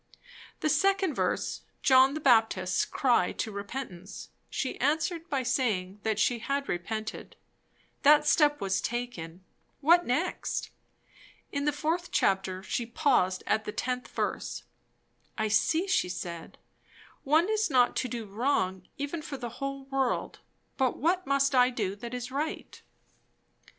The second verse, John the Baptist's cry to repentance, she answered by saying that she had repented; that step was taken; what next? In the fourth chapter she paused at the 10th verse. I see, she said, one is not to do wrong even for the whole world; but what must I do that is _right?